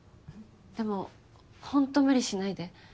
でもホント無理しないで。